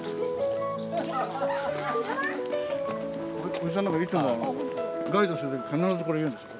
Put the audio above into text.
おじさんなんかいつもガイドする時必ずこれ言うんですよ。